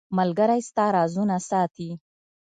• ملګری ستا رازونه ساتي.